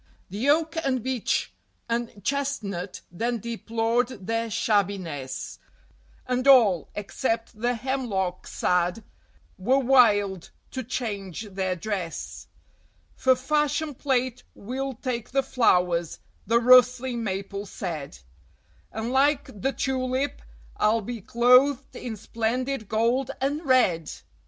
The Oak and Beech and Chestnut then deplored their shabbiness, And all, except the Hemlock sad, were wild to change their dress. "For fashion plate we'll take the flowers," the rustling Maple said, "And like the Tulip I'll be clothed in splendid gold and red!"